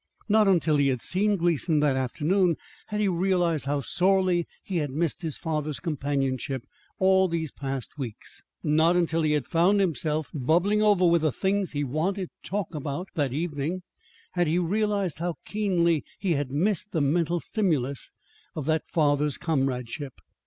Not until he had seen Gleason that afternoon had he realized how sorely he had missed his father's companionship all these past weeks. Not until he had found himself bubbling over with the things he wanted to talk about that evening had he realized how keenly he had missed the mental stimulus of that father's comradeship.